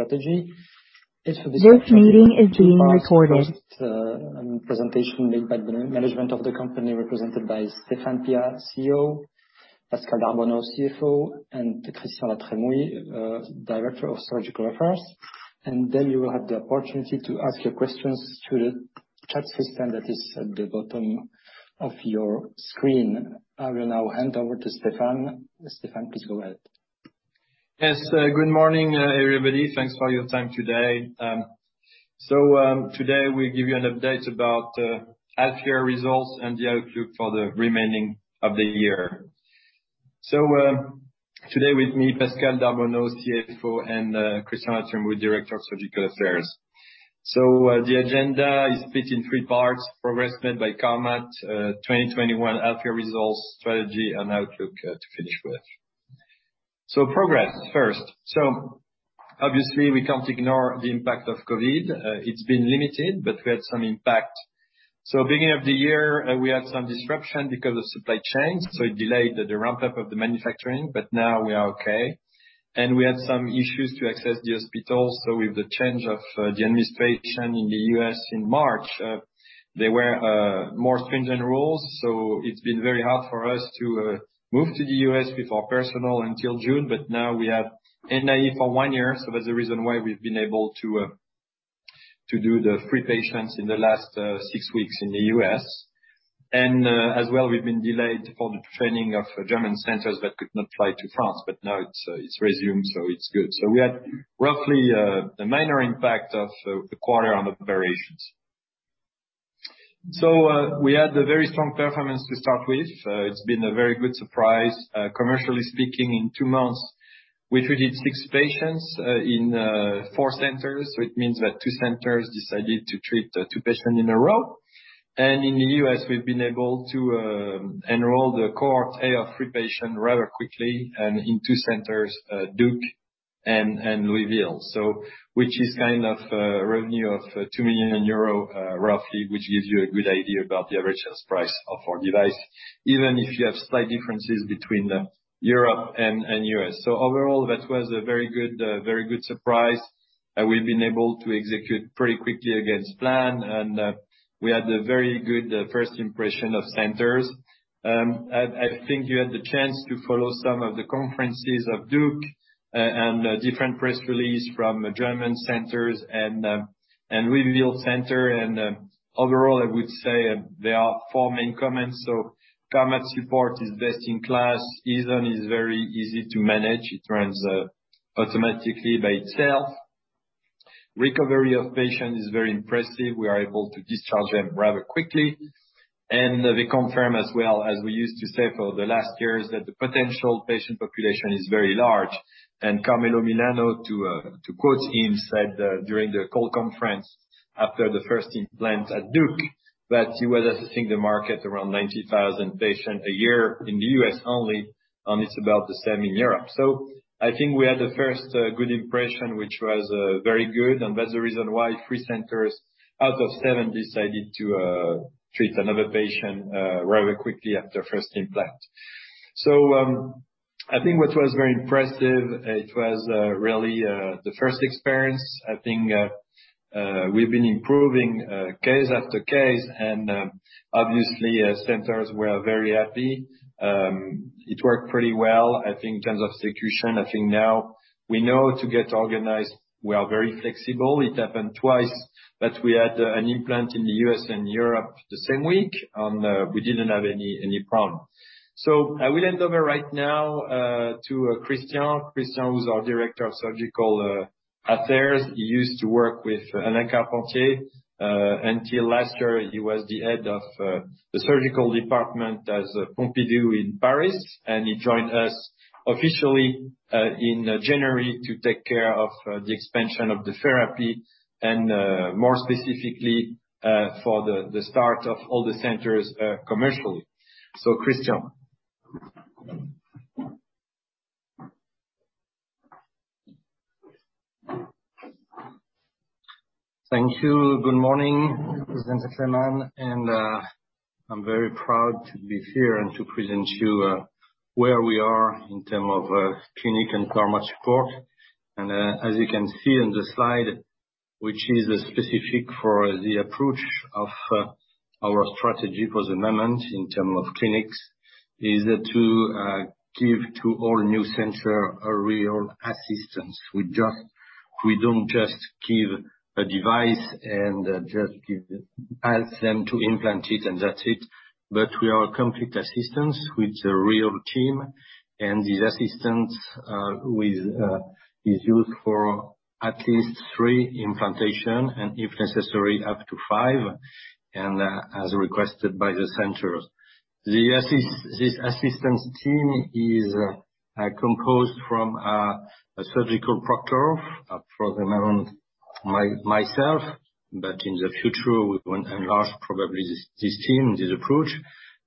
Strategy is for this- This meeting is being recorded. Presentation made by the management of the company represented by Stéphane Piat, CEO, Pascale d'Arbonneau, CFO, and Christian Latremouille, Director of Surgical Affairs. Then you will have the opportunity to ask your questions through the chat system that is at the bottom of your screen. I will now hand over to Stéphane. Stéphane, please go ahead. Yes. Good morning, everybody. Thanks for your time today. Today, we give you an update about half-year results and the outlook for the remaining of the year. Today with me, Pascale d'Arbonneau, CFO, and Christian Latremouille, Director of Surgical Affairs. The agenda is split in three parts: progress made by Carmat, 2021 half-year results, strategy and outlook to finish with. Progress, first so obviously we can't ignore the impact of COVID. It's been limited, but we had some impact. Beginning of the year, we had some disruption because of supply chains, it delayed the ramp-up of the manufacturing. Now we are okay. We had some issues to access the hospitals. With the change of the administration in the U.S. in March, there were more stringent rules. It's been very hard for us to move to the U.S. with our personnel until June. Now we have FDA for one year. That's the reason why we've been able to do the three patients in the last three weeks in the U.S. As well, we've been delayed for the training of German centers that could not fly to France. Now it's resumed, so it's good. We had roughly a minor impact of the quarter on the variations. We had a very strong performance to start with. It's been a very good surprise. Commercially speaking, in two months, we treated six patients in four centers. It means that two centers decided to treat two patient in a row. In the U.S., we've been able to enroll the cohort A of three patient rather quickly and in two centers, Duke and Reveal. Which is kind of revenue of 2 million euro, roughly, which gives you a good idea about the average sales price of our device, even if you have slight differences between Europe and U.S. Overall, that was a very good surprise. We've been able to execute pretty quickly against plan. We had a very good first impression of centers. I think you had the chance to follow some of the conferences of Duke and different press release from German centers and Reveal center. Overall, I would say there are four main comments. Carmat support is best-in-class. Aeson is very easy to manage. It runs automatically by itself. Recovery of patient is very impressive. We are able to discharge them rather quickly. We confirm as well, as we used to say for the last years, that the potential patient population is very large. Carmelo Milano, to quote him, said during the call conference after the first implant at Duke, that he was assessing the market around 90,000 patients a year in the U.S. only, and it's about the same in Europe. I think we had the first good impression, which was very good. That's the reason why three centers out of seven decided to treat another patient rather quickly after first implant. I think what was very impressive, it was really the first experience. I think we've been improving case after case and, obviously, as centers, we are very happy. It worked pretty well. I think in terms of circulation, I think now we know to get organized. We are very flexible. It happened 2 times that we had an implant in the U.S. and Europe the same week, and we didn't have any problem. I will hand over right now to Christian. Christian, who's our Director of Surgical Affairs. He used to work with Alain Carpentier. Until last year, he was the head of the surgical department at Pompidou in Paris, and he joined us officially in January to take care of the expansion of the therapy and, more specifically, for the start of all the centers commercially. Christian. Thank you. Good morning, ladies and gentlemen. I'm very proud to be here and to present you where we are in terms of clinic and Carmat support. As you can see on the slide, which is specific for the approach of our strategy for the moment in terms of clinics, is to give to all new center a real assistance. We don't just give a device and just ask them to implant it and that's it. We are complete assistance with a real team, and this assistance is used for at least three implantations and if necessary, up to five, and as requested by the centers. This assistance team is composed from a surgical proctor, for the moment, myself, but in the future, we want enlarge probably this team, this approach.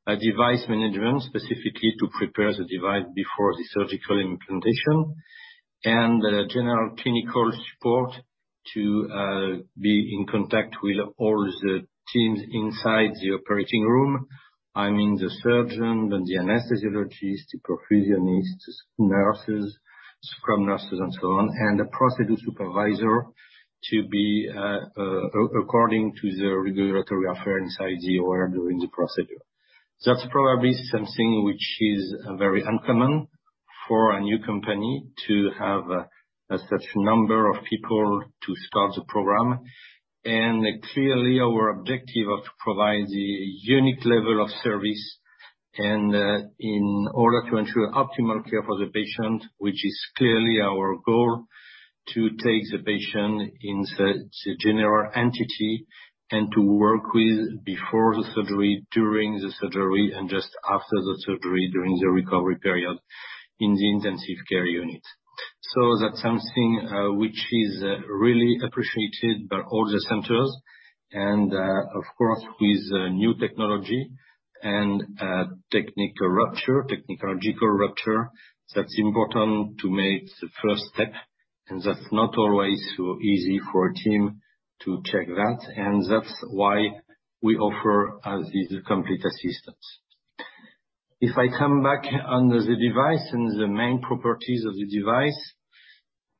A device management specifically to prepare the device before the surgical implantation, and a general clinical support. To be in contact with all the teams inside the operating room. I mean, the surgeon, then the anesthesiologist, the perfusionist, nurses, scrub nurses, and so on, and the procedure supervisor to be according to the regulatory affairs inside the OR during the procedure. That's probably something which is very uncommon for a new company to have such number of people to start the program. Clearly, our objective of provide the unique level of service, and in order to ensure optimal care for the patient, which is clearly our goal, to take the patient inside the general entity and to work with before the surgery, during the surgery, and just after the surgery, during the recovery period in the intensive care unit. That's something which is really appreciated by all the centers. Of course, with new technology and technological rupture, that is important to make the first step. That is not always easy for a team to check that. That is why we offer this complete assistance. If I come back on the device and the main properties of the device,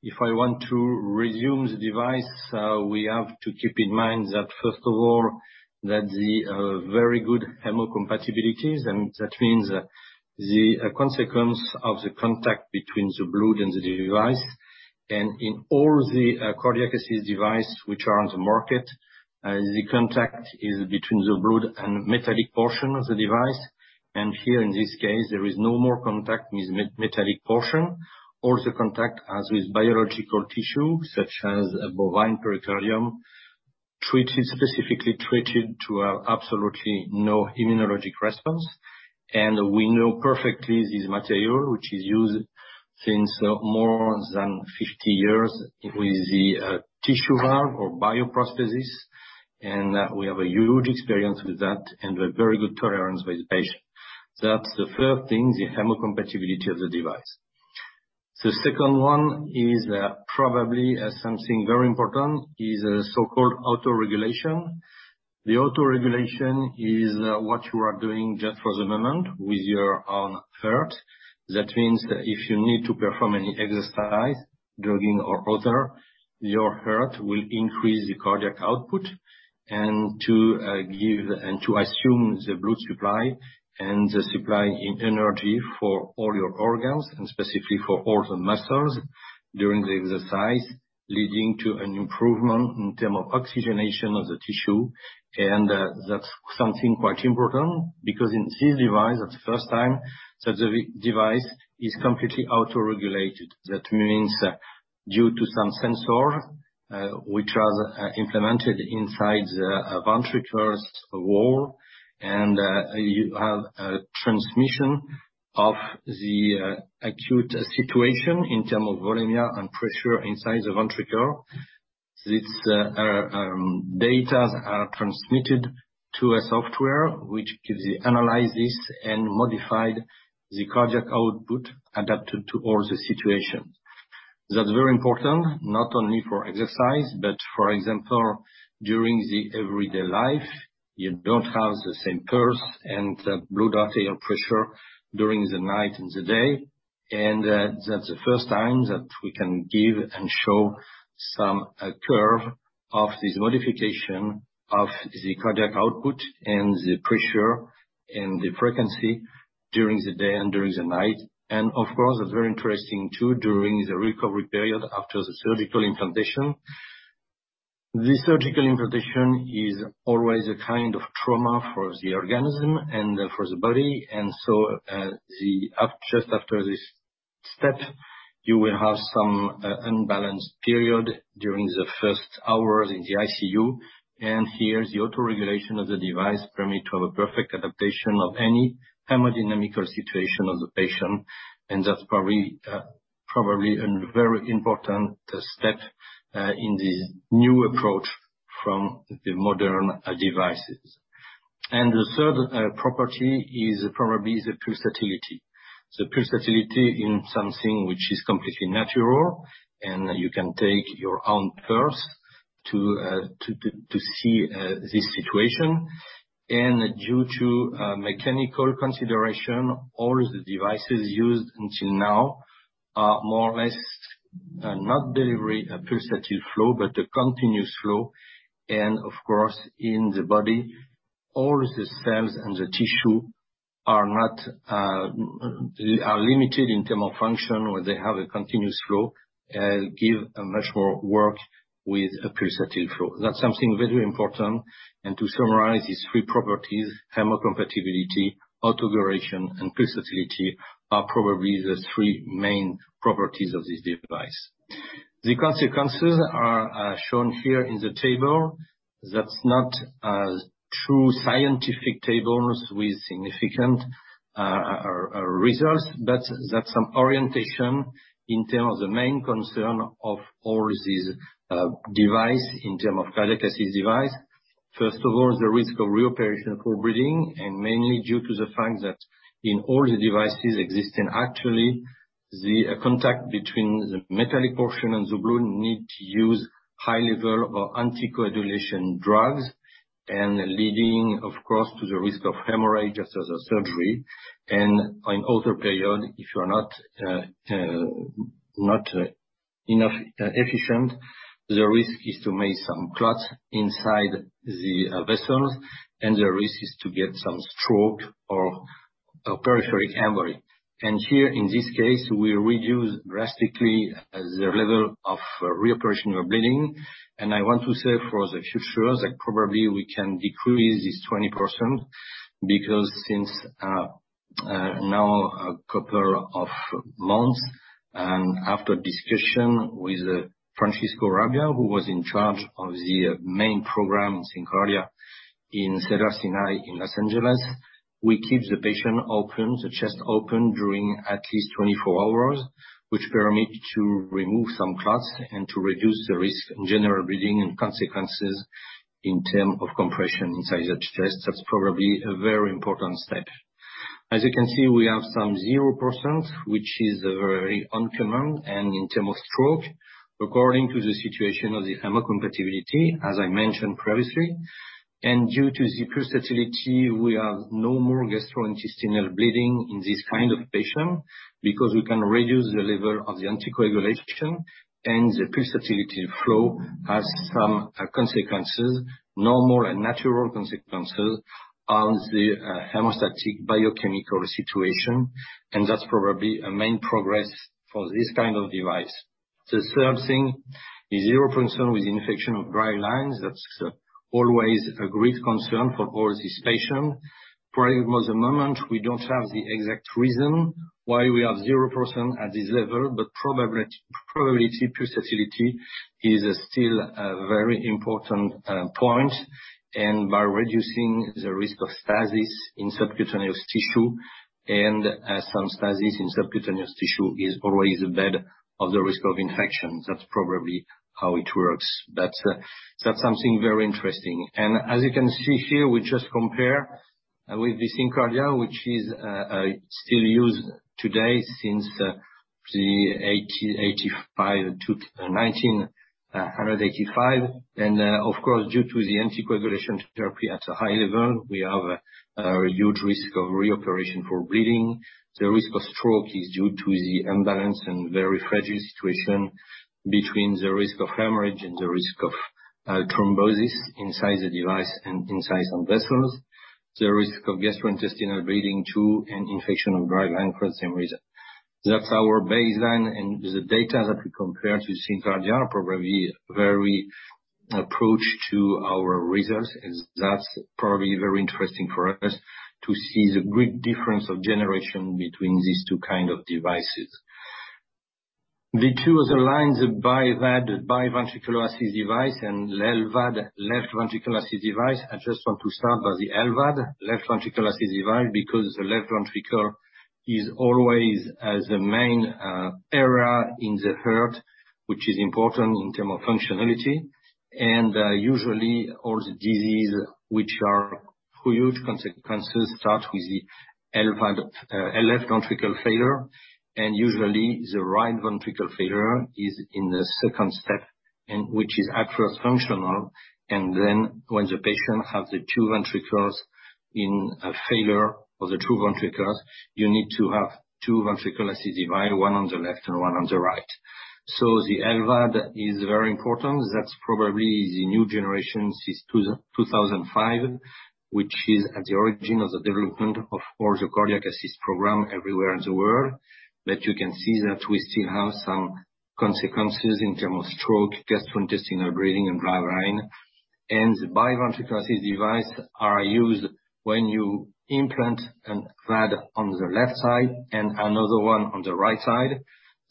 if I want to resume the device, we have to keep in mind that first of all, that the very good hemocompatibilities, and that means the consequence of the contact between the blood and the device. In all the cardiac assist device which are on the market, the contact is between the blood and metallic portion of the device. Here in this case, there is no more contact with metallic portion. All the contact is with biological tissue, such as bovine pericardium, specifically treated to have absolutely no immunologic response. We know perfectly this material, which is used since more than 50 years with the tissue valve or bioprosthesis, and we have a huge experience with that and a very good tolerance with the patient. That's the first thing, the hemocompatibility of the device. The second one is probably something very important, is a so-called autoregulation. The autoregulation is what you are doing just for the moment with your own heart. That means that if you need to perform any exercise, jogging or other, your heart will increase the cardiac output and to assume the blood supply and the supply in energy for all your organs, and specifically for all the muscles during the exercise, leading to an improvement in term of oxygenation of the tissue. That's something quite important because in this device, that's the first time that the device is completely autoregulated. That means due to some sensor, which was implemented inside the ventricles wall and you have a transmission of the acute situation in term of volume here and pressure inside the ventricle. These data are transmitted to a software which gives the analysis and modified the cardiac output adapted to all the situations. That's very important, not only for exercise, but for example, during the everyday life, you don't have the same pulse and blood arterial pressure during the night and the day. That's the first time that we can give and show some curve of this modification of the cardiac output and the pressure and the frequency during the day and during the night. Of course, it's very interesting too during the recovery period after the surgical implantation. The surgical implantation is always a kind of trauma for the organism and for the body. Just after this step, you will have some unbalanced period during the first hours in the ICU. Here, the autoregulation of the device permit to have a perfect adaptation of any hemodynamic situation of the patient. That's probably a very important step in the new approach from the modern devices. The third property is probably the pulsatility. The pulsatility in something which is completely natural, and you can take your own pulse to see this situation. Due to mechanical consideration, all the devices used until now are more or less, not delivering a pulsatile flow, but a continuous flow. Of course, in the body, all the cells and the tissue are limited in terms of function where they have a continuous flow, give much more work with a pulsatile flow. That's something very important. To summarize these three properties, hemocompatibility, autoregulation, and pulsatility are probably the three main properties of this device. The consequences are shown here in the table. That's not a true scientific table with significant results, but that's some orientation in terms of the main concern of all these devices, in terms of cardiac assist devices. First of all, the risk of reoperation for bleeding, mainly due to the fact that in all the devices existing, actually, the contact between the metallic portion and the blood needs to use high levels of anticoagulation drugs, leading, of course, to the risk of hemorrhage after the surgery. In other period, if you're not enough efficient, the risk is to make some clots inside the vessels, and the risk is to get some stroke or a peripheral hemorrhage. Here, in this case, we reduce drastically the level of reoperation or bleeding. I want to say for the future, that probably we can decrease this 20%, because since now a couple of months, and after discussion with Francisco Arabia, who was in charge of the main program in SynCardia in Cedars-Sinai in Los Angeles. We keep the patient open, the chest open during at least 24 hours, which permit to remove some clots and to reduce the risk in general bleeding and consequences in term of compression inside that chest. That's probably a very important step. As you can see, we have some 0%, which is very uncommon. In term of stroke, according to the situation of the hemocompatibility, as I mentioned previously. Due to the pulsatility, we have no more gastrointestinal bleeding in this kind of patient, because we can reduce the level of the anticoagulation. The pulsatility flow has some consequences, normal and natural consequences on the hemostatic biochemical situation. That's probably a main progress for this kind of device. The third thing is 0% with infection of drivelines. That's always a great concern for all these patients. For the moment, we don't have the exact reason why we have 0% at this level, but probably, pulsatility is still a very important point. By reducing the risk of stasis in subcutaneous tissue, and some stasis in subcutaneous tissue is always bad of the risk of infection. That's probably how it works. That's something very interesting. As you can see here, we just compare with the SynCardia, which is still used today since 1985. Of course, due to the anticoagulation therapy at a high level, we have a huge risk of reoperation for bleeding. The risk of stroke is due to the imbalance and very fragile situation between the risk of hemorrhage and the risk of thrombosis inside the device and inside some vessels. The risk of gastrointestinal bleeding too, and infection of driveline for the same reason. That's our baseline, and the data that we compare to SynCardia are probably very approach to our results. That's probably very interesting for us to see the great difference of generation between these two kind of devices. The two other lines are BiVAD, Biventricular Assist Device, and LVAD, Left Ventricular Assist Device. I just want to start with the LVAD, left ventricular assist device, because the left ventricle is always as the main area in the heart, which is important in term of functionality. Usually, all the disease which are huge consequences start with the LVAD, left ventricle failure. Usually, the right ventricle failure is in the second step and which is at first functional. Then when the patient have the two ventricles in failure of the two ventricles, you need to have two ventricular assist device, one on the left and one on the right. The LVAD is very important. That's probably the new generation since 2005, which is at the origin of the development of all the cardiac assist program everywhere in the world. You can see that we still have some consequences in term of stroke, gastrointestinal bleeding and driveline. The biventricular assist device is used when you implant a VAD on the left side and another one on the right side.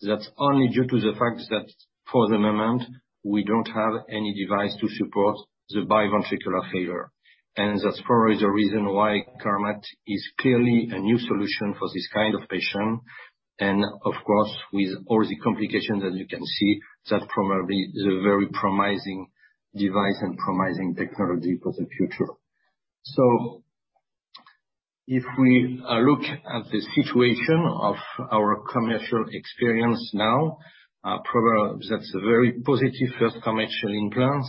That's only due to the fact that, for the moment, we don't have any device to support the biventricular failure. That's probably the reason why Carmat is clearly a new solution for this kind of patient and of course, with all the complications that you can see, that probably is a very promising device and promising technology for the future. If we look at the situation of our commercial experience now, probably that's a very positive first commercial implant.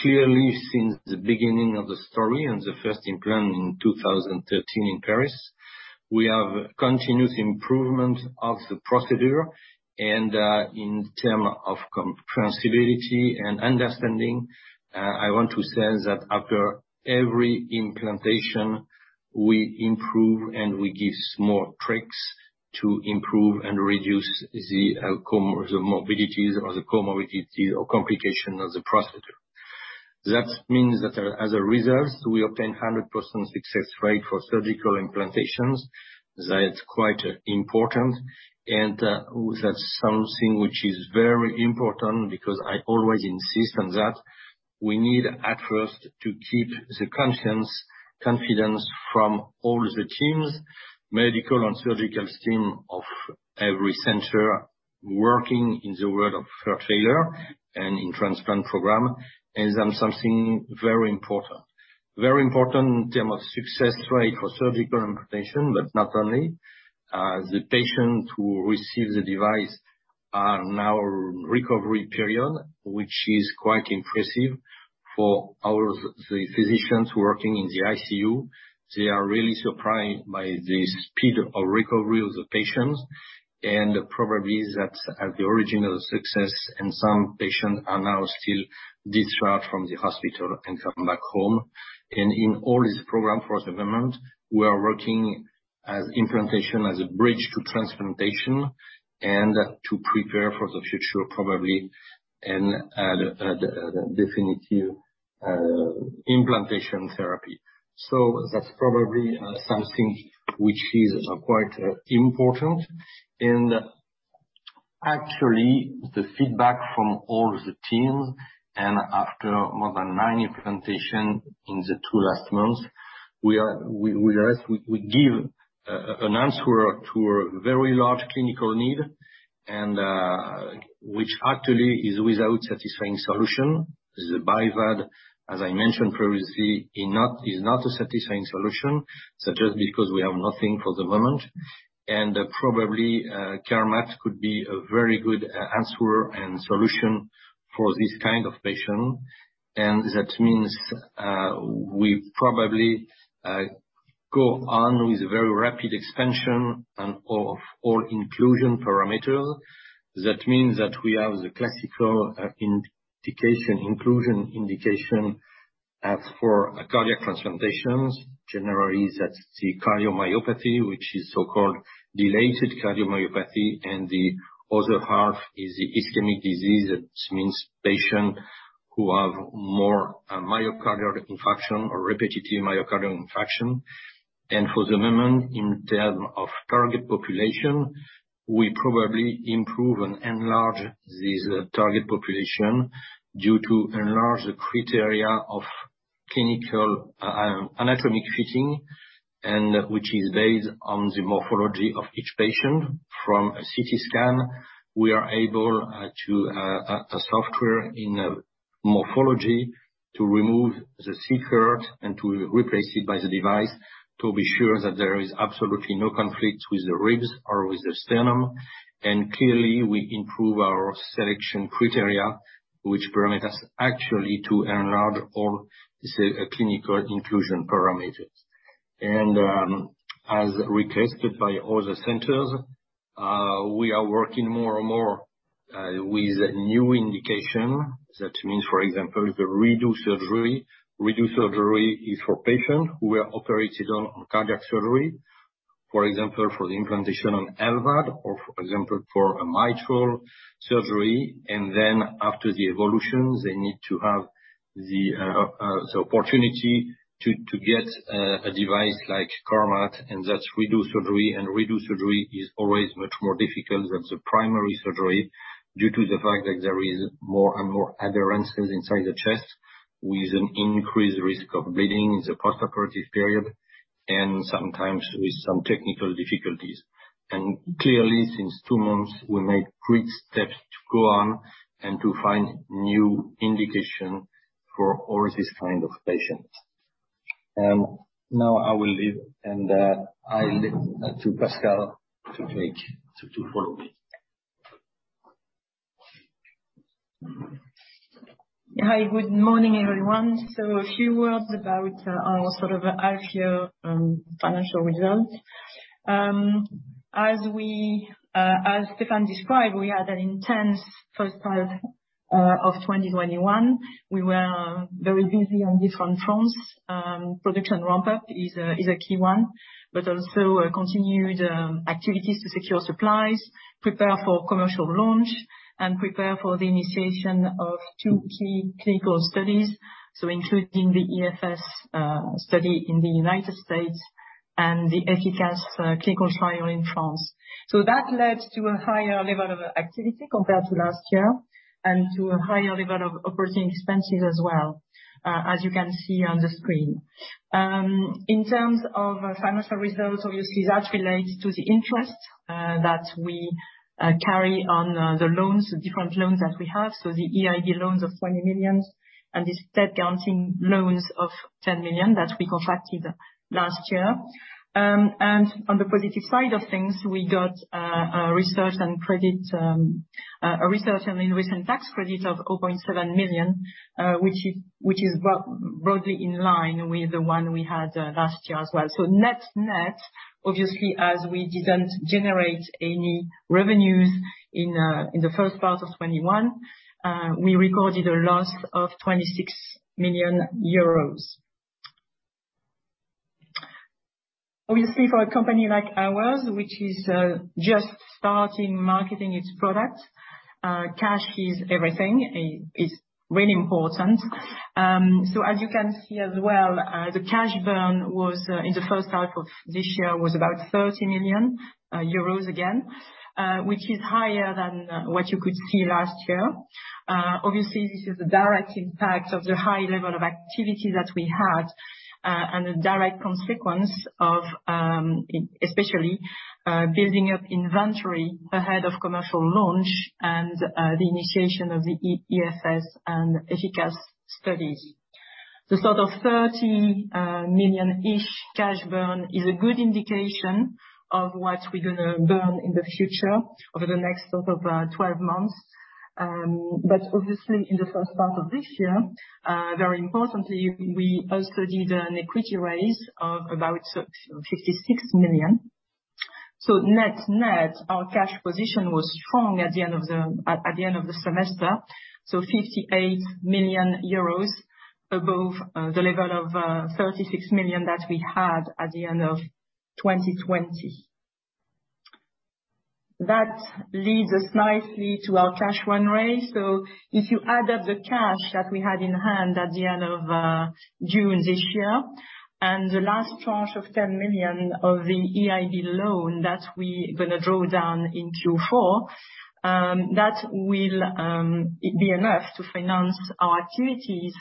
Clearly, since the beginning of the story and the first implant in 2013 in Paris, we have continuous improvement of the procedure. In terms of transferability and understanding, I want to say that after every implantation, we improve and we give more tricks to improve and reduce the morbidities or the comorbidities or complication of the procedure. That means that as a result, we obtain 100% success rate for surgical implantations. That's quite important. That's something which is very important because I always insist on that. We need at first to keep the confidence from all the teams, medical and surgical team of every center. Working in the world of heart failure and in transplant program is something very important. Very important in terms of success rate for surgical implantation, but not only. The patients who receive the device are now recovery period, which is quite impressive for the physicians working in the ICU. They are really surprised by the speed of recovery of the patients. Probably that's the original success. Some patients are now still discharged from the hospital and come back home. In all this program for the moment, we are working as implantation as a bridge to transplantation and to prepare for the future, probably, and definitive implantation therapy. That's probably something which is quite important. Actually, the feedback from all the teams, after more than nine implantation in the two last months, we give an answer to a very large clinical need, which actually is without satisfying solution. The BiVAD, as I mentioned previously, is not a satisfying solution, such as because we have nothing for the moment and probably, Carmat could be a very good answer and solution for this kind of patient. That means we probably go on with a very rapid expansion of all inclusion parameters. That means that we have the classical inclusion indication as for cardiac transplantations. Generally, that's the cardiomyopathy, which is so-called dilated cardiomyopathy, and the other half is the ischemic disease. That means patients who have more myocardial infarction or repetitive myocardial infarction. For the moment, in term of target population, we probably improve and enlarge this target population due to enlarge the criteria of clinical anatomic fitting, and which is based on the morphology of each patient. From a CT scan, we are able to, a software in morphology, to remove the secret and to replace it by the device to be sure that there is absolutely no conflict with the ribs or with the sternum. Clearly, we improve our selection criteria, which permit us actually to enlarge all the clinical inclusion parameters. As requested by all the centers, we are working more and more, with new indication. That means, for example, the redo surgery. Redo surgery is for patient who were operated on cardiac surgery. For example, for the implantation on LVAD or, for example, for a mitral surgery. Then after the evolution, they need to have the opportunity to get a device like Carmat, and that's redo surgery. Redo surgery is always much more difficult than the primary surgery due to the fact that there is more and more adherences inside the chest with an increased risk of bleeding in the postoperative period, and sometimes with some technical difficulties. Clearly, since 2 months, we make great steps to go on and to find new indication for all these kind of patients. I will leave, and I leave to Pascale to take, to follow me. Hi, good morning, everyone. A few words about our sort of half year financial results. As Stéphane described, we had an intense first half of 2021. We were very busy on different fronts. Production ramp-up is a key one, but also continued activities to secure supplies, prepare for commercial launch, and prepare for the initiation of two key clinical studies. Including the EFS study in the U.S. and the EFICAS clinical trial in France. That led to a higher level of activity compared to last year and to a higher level of operating expenses as well, as you can see on the screen. In terms of financial results, obviously, that relates to the interest that we carry on the loans, the different loans that we have. The EIB loans of 20 million and the state-guaranteed loans of 10 million that we contracted last year. On the positive side of things, we got a research and recent tax credit of 0.7 million, which is broadly in line with the one we had last year as well. Net-net, obviously, as we didn't generate any revenues in the first half of 2021, we recorded a loss of 26 million euros. Obviously, for a company like ours, which is just starting marketing its product, cash is everything. It's really important. As you can see as well, the cash burn in the first half of this year was about 30 million euros again, which is higher than what you could see last year. Obviously, this is the direct impact of the high level of activity that we had, and a direct consequence of especially building up inventory ahead of commercial launch and the initiation of the EFS and EFICAS studies. The sort of 30 million-ish cash burn is a good indication of what we're going to burn in the future over the next 12 months. Obviously in the first part of this year, very importantly, we also did an equity raise of about 56 million. Net-net, our cash position was strong at the end of the semester. 58 million euros above the level of 36 million that we had at the end of 2020. That leads us nicely to our cash burn rate. If you add up the cash that we had in hand at the end of June this year, and the last tranche of 10 million of the EIB loan that we're going to draw down in Q4, that will be enough to finance our activities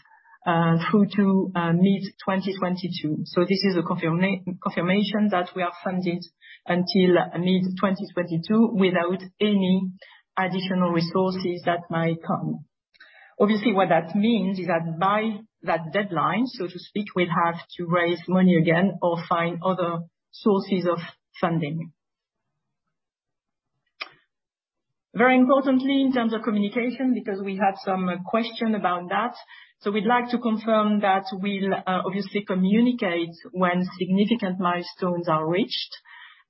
through to mid-2022. This is a confirmation that we are funded until mid-2022 without any additional resources that might come. Obviously, what that means is that by that deadline, so to speak, we'll have to raise money again or find other sources of funding. Very importantly, in terms of communication, because we had some question about that, so we'd like to confirm that we'll obviously communicate when significant milestones are reached,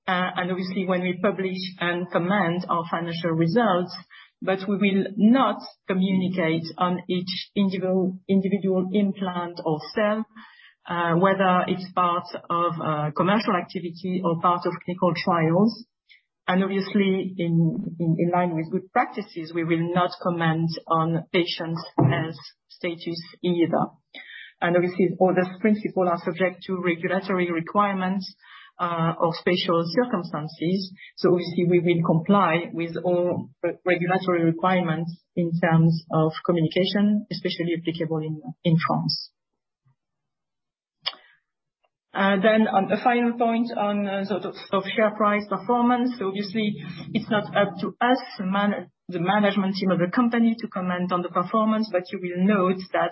and obviously when we publish and comment our financial results. We will not communicate on each individual implant or sale, whether it's part of a commercial activity or part of clinical trials. In line with good practices, we will not comment on patients' health status either. All those principles are subject to regulatory requirements of special circumstances. We will comply with all regulatory requirements in terms of communication, especially applicable in France. A final point on sort of share price performance. Obviously, it's not up to us, the management team of the company, to comment on the performance. You will note that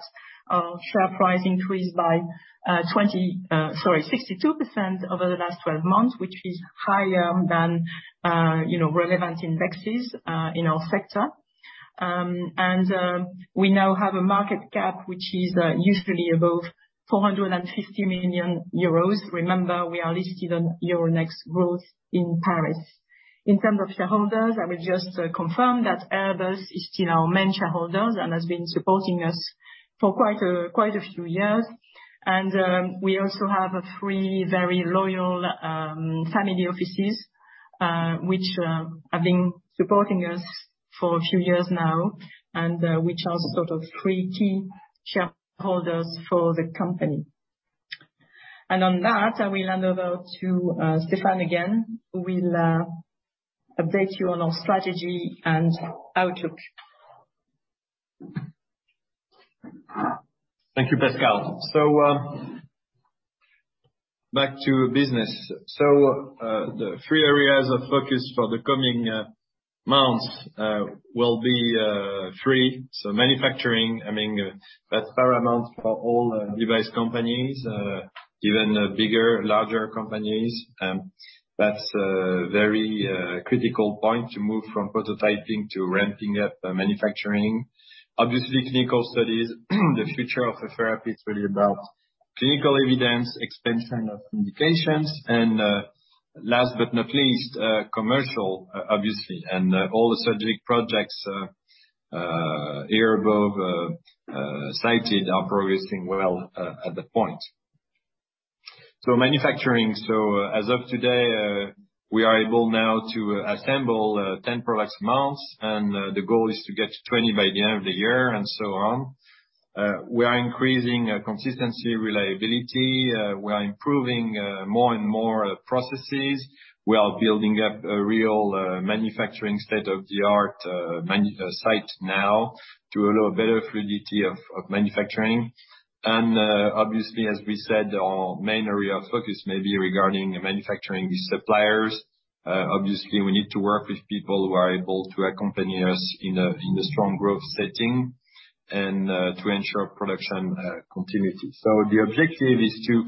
our share price increased by 62% over the last 12 months, which is higher than relevant indexes in our sector. We now have a market cap, which is usefully above 450 million euros. Remember, we are listed on Euronext Growth in Paris. In terms of shareholders, I will just confirm that Orbis is still our main shareholder and has been supporting us for quite a few years. We also have three very loyal family offices which have been supporting us for a few years now, and which are sort of three key shareholders for the company. On that, I will hand over to Stéphane again, who will update you on our strategy and outlook. Thank you, Pascale. Back to business. The three areas of focus for the coming months will be three. Manufacturing, that's paramount for all device companies, even bigger, larger companies. That's a very critical point to move from prototyping to ramping up manufacturing. Obviously, clinical studies, the future of the therapy is really about clinical evidence, expansion of indications, and, last but not least, commercial obviously and all the subject projects here above cited are progressing well at this point. Manufacturing. As of today, we are able now to assemble 10 products a month, and the goal is to get to 20 by the end of the year and so on. We are increasing consistency, reliability. We are improving more and more processes. We are building up a real manufacturing state-of-the-art site now to allow better fluidity of manufacturing. Obviously as we said, our main area of focus may be regarding manufacturing these suppliers. Obviously, we need to work with people who are able to accompany us in a strong growth setting and to ensure production continuity. The objective is to,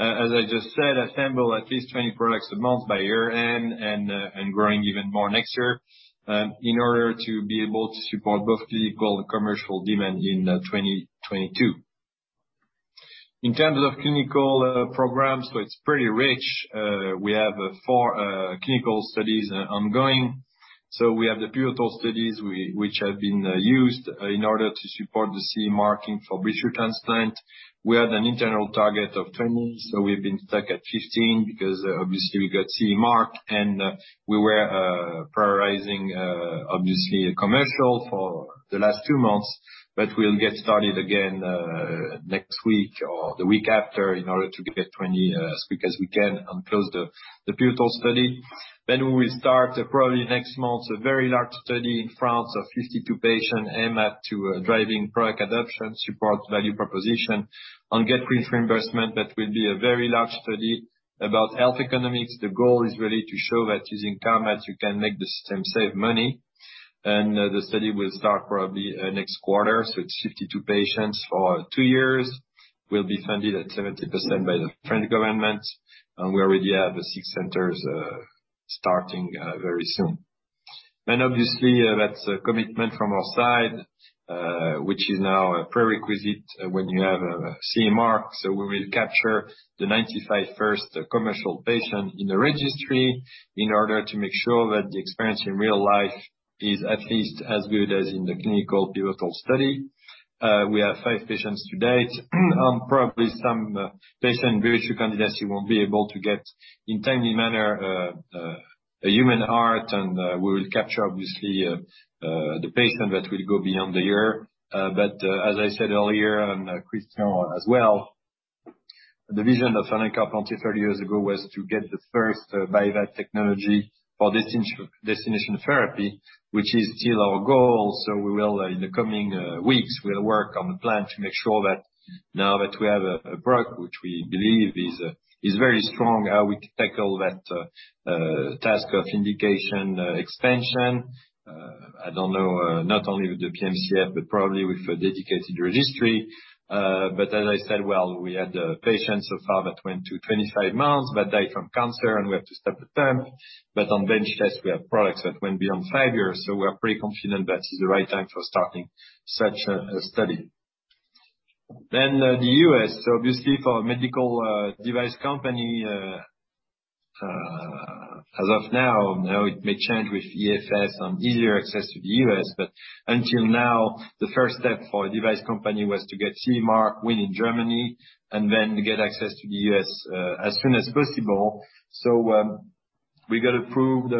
as I just said, assemble at least 20 products a month by year-end, and growing even more next year in order to be able to support both clinical and commercial demand in 2022. In terms of clinical programs, it's pretty rich. We have four clinical studies ongoing. We have the pivotal studies, which have been used in order to support the CE marking for tissue transplant. We had an internal target of 20. We've been stuck at 15 because obviously we got CE mark and we were prioritizing obviously commercial for the last two months. We'll get started again next week or the week after in order to get 20 as quick as we can and close the pivotal study. We will start probably next month, a very large study in France of 52 patients aimed at driving product adoption, support value proposition, and get reimbursed. That will be a very large study about health economics. The goal is really to show that using Carmat, you can make the system save money. The study will start probably next quarter. It's 52 patients for two years. Will be funded at 70% by the French government, and we already have the six centers starting very soon. Obviously, that's a commitment from our side, which is now a prerequisite when you have a CE mark. We will capture the 95 first commercial patients in the registry in order to make sure that the experience in real life is at least as good as in the clinical pivotal study. We have five patients to date. Probably some patient virtual candidates who won't be able to get, in timely manner, a human heart. We will capture, obviously, the patient that will go beyond a year. As I said earlier, and Christian Latremouille as well, the vision of Alain Carpentier 30 years ago was to get the first biotech technology for destination therapy, which is still our goal. We will, in the coming weeks, we'll work on the plan to make sure that now that we have a product which we believe is very strong, how we tackle that task of indication expansion. I don't know, not only with the PMCF, probably with a dedicated registry. As I said, well, we had patients so far that went to 25 months, but died from cancer, and we have to stop the term. On bench test, we have products that went beyond 5 years, so we are pretty confident that is the right time for starting such a study. The U.S. Obviously, for a medical device company, as of now, it may change with EFS and easier access to the U.S., but until now, the first step for a device company was to get CE mark, win in Germany, and get access to the U.S. as soon as possible. We got approved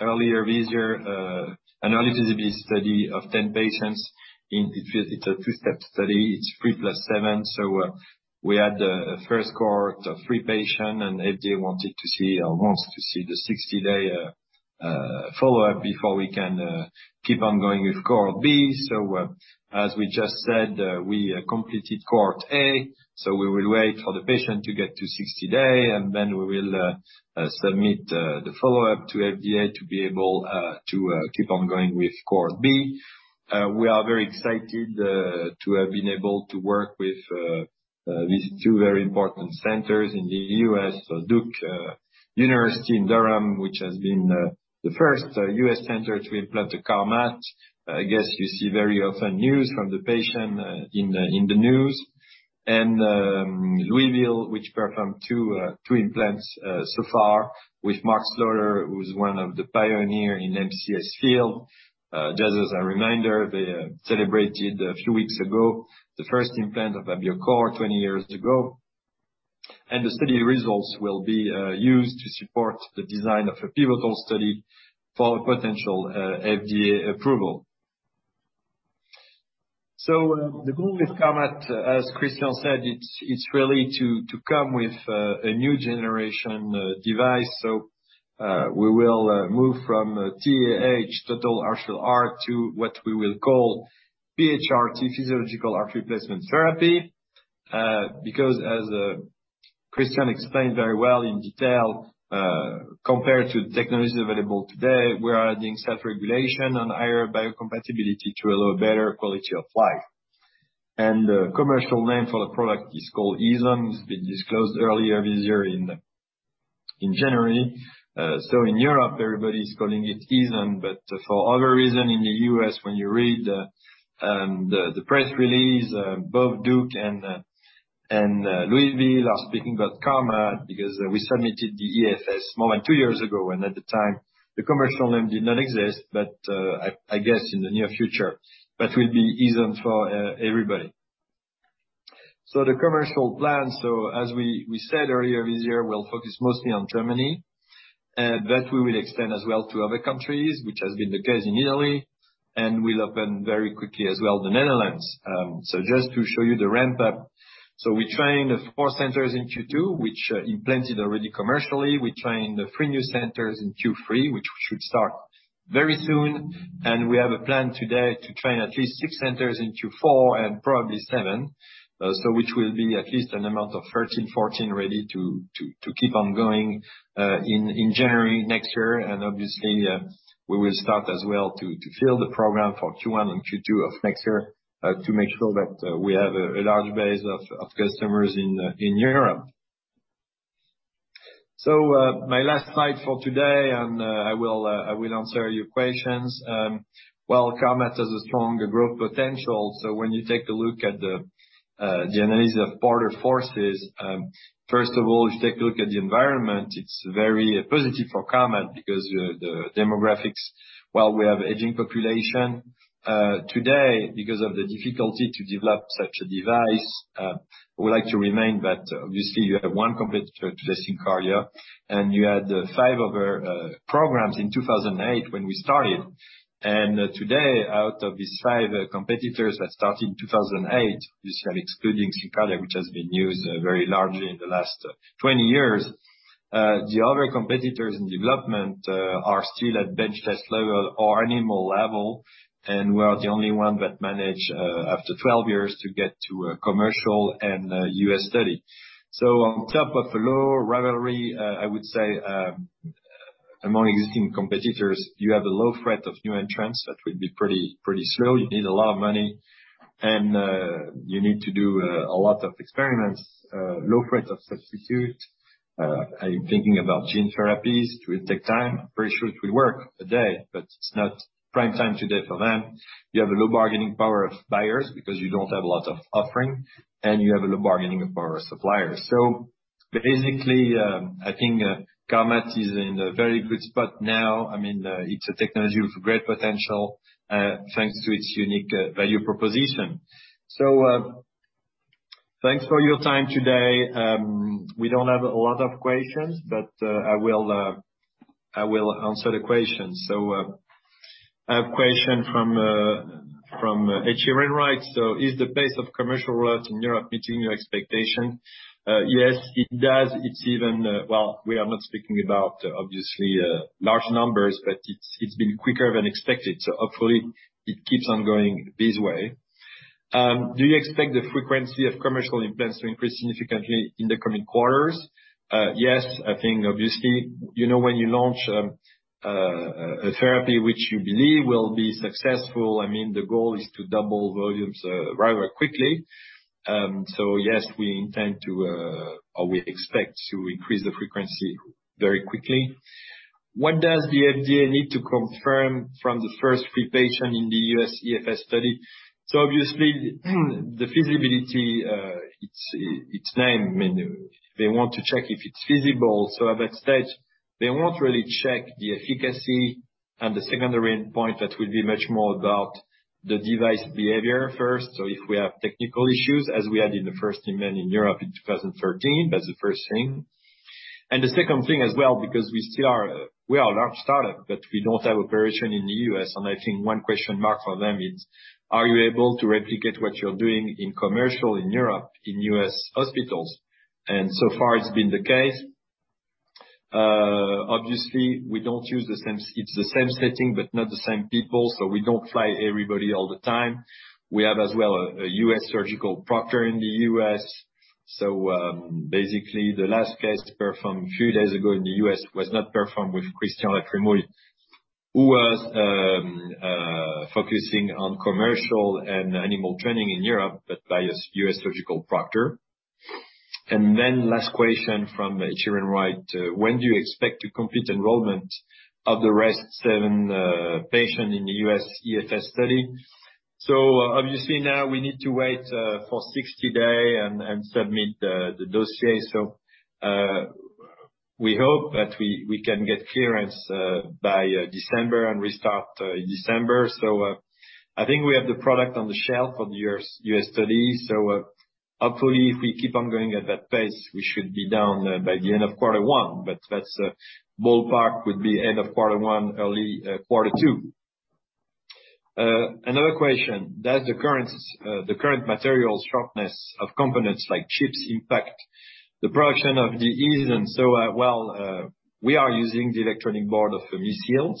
earlier this year an analytical study of 10 patients. It's a 2-step study. It's 10. We had the first cohort of 3 patients, FDA wants to see the 60-day follow-up before we can keep on going with cohort B. As we just said, we completed cohort A, we will wait for the patient to get to 60 day, we will submit the follow-up to FDA to be able to keep on going with cohort B. We are very excited to have been able to work with these two very important centers in the U.S. Duke University in Durham, which has been the first U.S. center to implant the Carmat. I guess you see very often news from the patient in the news. Louisville, which performed two implants so far with Mark Slaughter, who's one of the pioneers in MCS field. Just as a reminder, they celebrated a few weeks ago, the first implant of a AbioCor, 20 years ago. The study results will be used to support the design of a pivotal study for potential FDA approval. The goal with Carmat, as Christian said, it's really to come with a new generation device. We will move from TAH, Total Artificial Heart, to what we will call PHRT, Physiological Heart Replacement Therapy. As Christian explained very well in detail, compared to technology available today, we are adding autoregulation and higher hemocompatibility to allow better quality of life. The commercial name for the product is called Aeson. It's been disclosed earlier this year in January. In Europe, everybody's calling it Aeson. For other reason, in the U.S., when you read the press release, both Duke and Louisville are speaking about Carmat because we submitted the EFS more than two years ago, and at the time, the commercial name did not exist. I guess in the near future, that will be Aeson for everybody. The commercial plan. As we said earlier this year, we will focus mostly on Germany. We will extend as well to other countries, which has been the case in Italy, and we will open very quickly as well, the Netherlands. Just to show you the ramp-up. We train the four centers in Q2, which implanted already commercially. We train the three new centers in Q3, which should start very soon. We have a plan today to train at least six centers in Q4, and probably seven. Which will be at least an amount of 13, 14 ready to keep on going, in January next year. Obviously, we will start as well to fill the program for Q1 and Q2 of next year, to make sure that we have a large base of customers in Europe. My last slide for today. I will answer your questions. Well, Carmat has a strong growth potential. When you take a look at the analysis of Porter forces, first of all, if you take a look at the environment, it's very positive for Carmat because the demographics, while we have aging population, today, because of the difficulty to develop such a device, I would like to remind that obviously you had one competitor, SynCardia, and you had five other programs in 2008 when we started. Today, out of these five competitors that started in 2008, obviously excluding SynCardia, which has been used very largely in the last 20 years. The other competitors in development are still at bench test level or animal level, and we are the only one that managed, after 12 years, to get to a commercial and U.S. study. On top of the low rivalry, I would say, among existing competitors, you have a low threat of new entrants that will be pretty slow. You need a lot of money, and you need to do a lot of experiments. Low threat of substitute. I'm thinking about gene therapies, which will take time. I'm pretty sure it will work a day, but it's not prime time today for them. You have a low bargaining power of buyers because you don't have a lot of offering, and you have a low bargaining power of suppliers. Basically, I think Carmat is in a very good spot now. It's a technology with great potential, thanks to its unique value proposition. Thanks for your time today. We don't have a lot of questions, but I will answer the questions. I have a question from HRW. Is the pace of commercial growth in Europe meeting your expectation? Yes, it does. We are not speaking about, obviously, large numbers, but it's been quicker than expected. Hopefully it keeps on going this way. Do you expect the frequency of commercial implants to increase significantly in the coming quarters? Yes. I think, obviously, when you launch a therapy which you believe will be successful, the goal is to double volumes very quickly. Yes, we intend to, or we expect to increase the frequency very quickly. What does the FDA need to confirm from the first three patients in the U.S. EFS study? Obviously, the feasibility, it's named. They want to check if it's feasible. At that stage, they won't really check the efficacy and the secondary endpoint, that will be much more about the device behavior first. If we have technical issues, as we had in the first event in Europe in 2013, that's the first thing. The second thing as well, because we are a large startup, but we don't have a version in the U.S., and I think 1 question mark for them is: are you able to replicate what you're doing in commercial in Europe, in US hospitals? So far it's been the case. It's the same setting, but not the same people, so we don't fly everybody all the time. We have as well a U.S. surgical proctor in the U.S. Basically the last case performed a few days ago in the U.S. was not performed with Christian Latremouille, who was focusing on commercial and animal training in Europe, but by a U.S. surgical proctor. Last question from HRW. When do you expect to complete enrollment of the rest seven patient in the U.S. EFS study? Obviously now we need to wait for 60 day and submit the dossier. We hope that we can get clearance by December and restart December. I think we have the product on the shelf for the U.S. study. Hopefully if we keep on going at that pace, we should be down by the end of Q1. That's a ballpark, would be end of Q1, early Q2. Another question. Does the current material shortage of components like chips impact the production of the Aeson? We are using the electronic board of Vermon.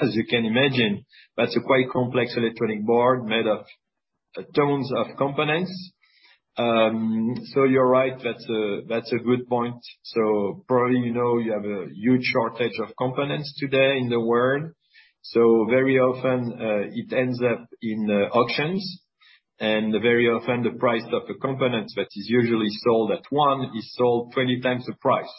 As you can imagine, that's a quite complex electronic board made of tons of components. You're right. That's a good point. Probably, you have a huge shortage of components today in the world. Very often, it ends up in auctions. Very often, the price of a component that is usually sold at 1 is sold 20x the price.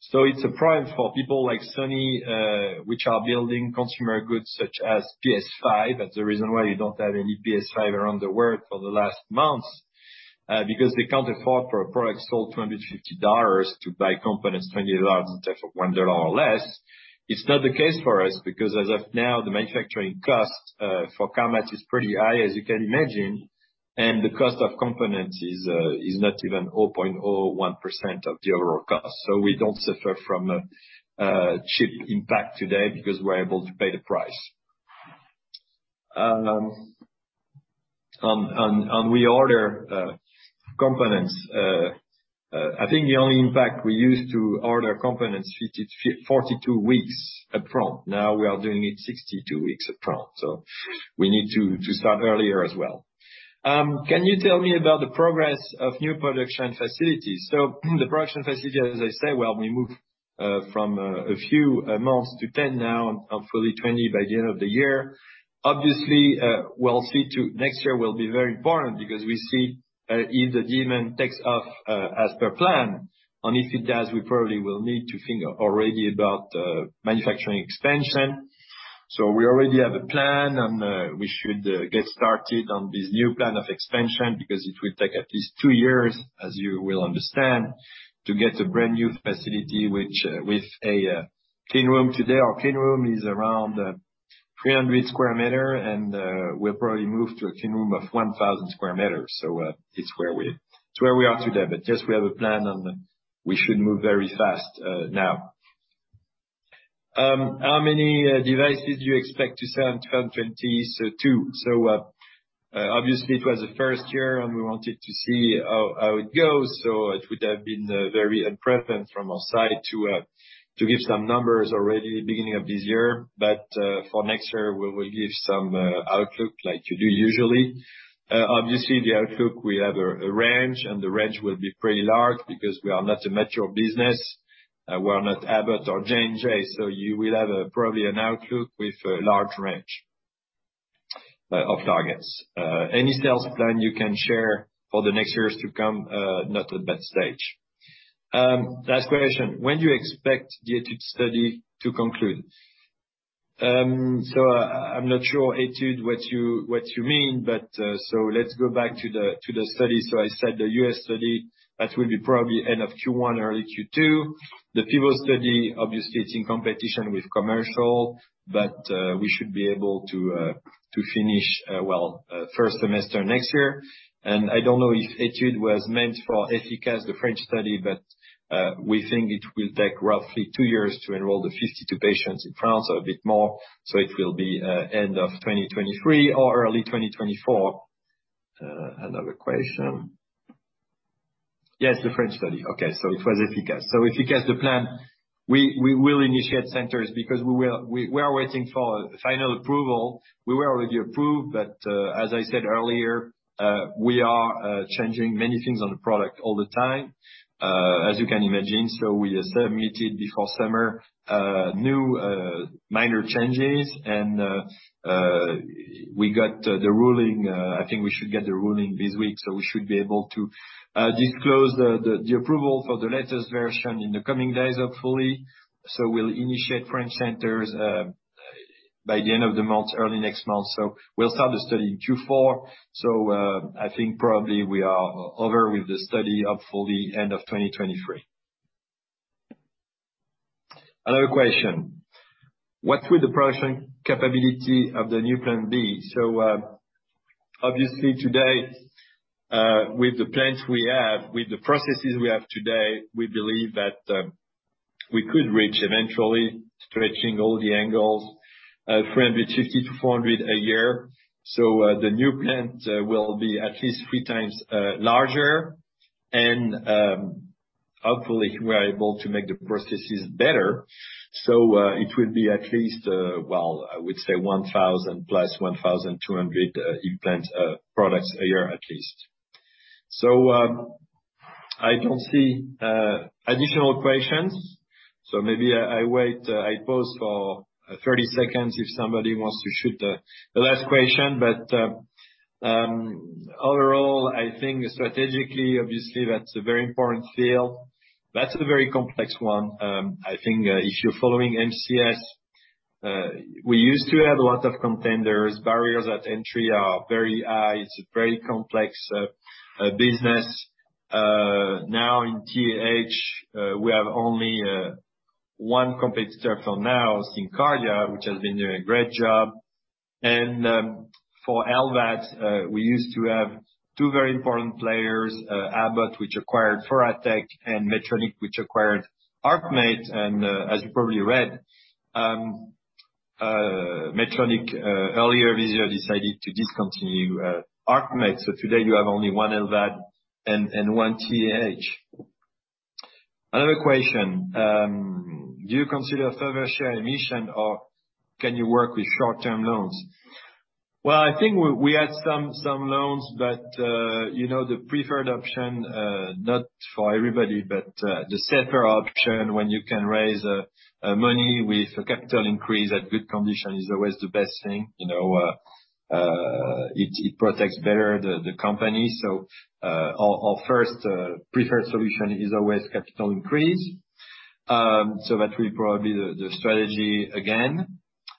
It's a problem for people like Sony, which are building consumer goods such as PS5. That's the reason why you don't have any PS5 around the world for the last months, because they can't afford for a product sold for $ 250 to buy components $ 20 in terms of $ 1 or less. It's not the case for us, because as of now, the manufacturing cost for Carmat is pretty high, as you can imagine, and the cost of component is not even 0.01% of the overall cost. We don't suffer from chip impact today because we're able to pay the price. We order components. I think the only impact we use to order components 42 weeks upfront. Now we are doing it 62 weeks upfront, we need to start earlier as well. Can you tell me about the progress of new production facilities? The production facility, as I said, we moved from a few months to 10 now and hopefully 20 by the end of the year. Obviously, next year will be very important because we see if the demand takes off as per plan. If it does, we probably will need to think already about manufacturing expansion. We already have a plan and we should get started on this new plan of expansion, because it will take at least two years, as you will understand, to get a brand-new facility with a clean room. Today, our clean room is around 300 sq m, and we'll probably move to a clean room of 1,000 sq m. It's where we are today. Yes, we have a plan and we should move very fast now. How many devices do you expect to sell in 2022? Obviously it was the first year and we wanted to see how it goes. It would have been very impressive from our side to give some numbers already beginning of this year. For next year, we will give some outlook like you do usually. Obviously, the outlook, we have a range, and the range will be pretty large because we are not a mature business. We are not Abbott or J&J. You will have probably an outlook with a large range of targets. Any sales plan you can share for the next years to come? Not at that stage. Last question, when do you expect the ETUDE study to conclude? I'm not sure, ETUDE, what you mean, but let's go back to the study. I said the US study, that will be probably end of Q1, early Q2. The pivot study, obviously it's in competition with commercial, we should be able to finish first semester next year. I don't know if ETUDE was meant for EFICAS, the French study, we think it will take roughly two years to enroll the 52 patients in France, or a bit more. It will be end of 2023 or early 2024. Another question. Yes, the French study. Okay, it was EFICAS. EFICAS the plan, we will initiate centers because we are waiting for final approval. We were already approved, as I said earlier, we are changing many things on the product all the time, as you can imagine. We submitted before summer new minor changes and we got the ruling. I think we should get the ruling this week, so we should be able to disclose the approval for the latest version in the coming days hopefully. We'll initiate French centers by the end of the month, early next month. We'll start the study Q4. I think probably we are over with the study hopefully end of 2023. Another question. What's with the production capability of the new plant B? Obviously today, with the plants we have, with the processes we have today, we believe that we could reach eventually, stretching all the angles, 350-400 a year. The new plant will be at least three times larger and, hopefully we are able to make the processes better. It will be at least, I would say 1,000 + 1,200 implant products a year, at least. I don't see additional questions, so maybe I wait. I pause for 30 seconds if somebody wants to shoot a last question. Overall I think strategically, obviously, that's a very important field. That's a very complex one. I think if you're following MCS, we used to have a lot of contenders. Barriers at entry are very high. It's a very complex business. Now in TAH, we have only one competitor for now, SynCardia, which has been doing a great job. For LVAD, we used to have two very important players, Abbott, which acquired Thoratec, and Medtronic, which acquired HeartMate. As you probably read, Medtronic earlier this year decided to discontinue HeartMate. Today you have only one LVAD and one TAH. Another question. Do you consider further share emission or can you work with short-term loans? I think we have some loans but the preferred option, not for everybody, but the safer option when you can raise money with a capital increase at good condition is always the best thing. It protects better the company. Our first preferred solution is always capital increase. That will be probably the strategy again.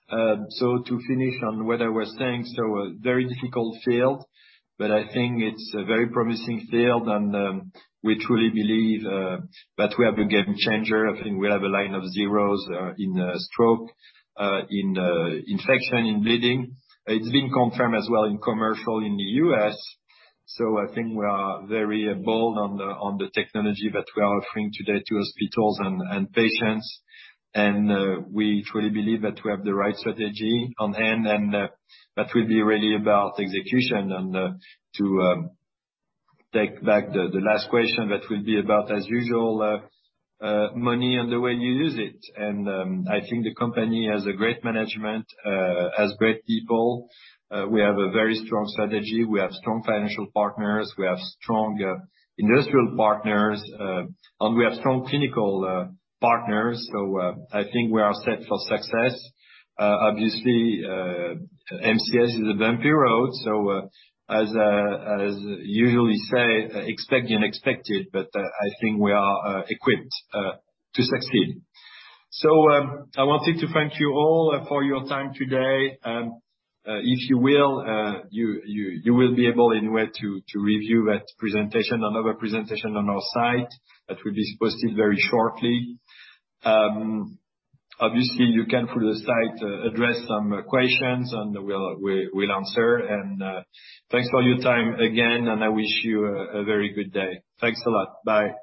To finish on what I was saying, a very difficult field, but I think it's a very promising field and, we truly believe that we are a game changer. I think we have a line of zeros in stroke, in infection, in bleeding. It's been confirmed as well in commercial in the U.S. I think we are very bold on the technology that we are offering today to hospitals and patients. We truly believe that we have the right strategy on hand, that will be really about execution and to take back the last question, that will be about, as usual, money and the way you use it. I think the company has a great management, has great people. We have a very strong strategy. We have strong financial partners. We have strong industrial partners. We have strong clinical partners. I think we are set for success. Obviously, MCS is a bumpy road, so as I usually say, expect the unexpected, but I think we are equipped to succeed. I wanted to thank you all for your time today, and if you will, you will be able anyway to review that presentation, another presentation on our site that will be posted very shortly. Obviously you can, through the site, address some questions and we'll answer. Thanks for your time again, and I wish you a very good day. Thanks a lot. Bye.